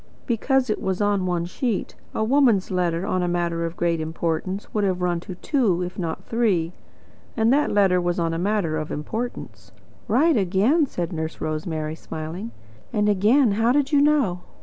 "Because it was on one sheet. A woman's letter on a matter of great importance would have run to two, if not three. And that letter was on a matter of importance." "Right again," said Nurse Rosemary, smiling. "And again, how did you know?"